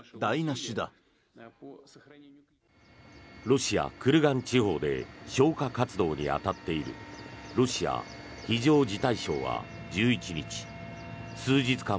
ロシア・クルガン地方で消火活動に当たっているロシア非常事態省は１１日数日間